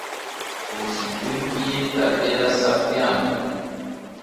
اوسېدونکي یې تر ډېره سرفیان وو.